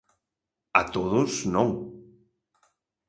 A todos, non.